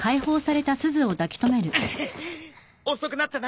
遅くなったな。